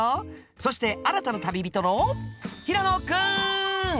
そして新たな旅人の平野くん！